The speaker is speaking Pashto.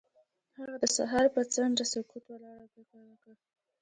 هغه د سهار پر څنډه ساکت ولاړ او فکر وکړ.